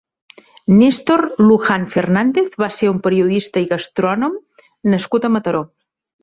Nèstor Luján Fernández va ser un periodista i gastrònom nascut a Mataró.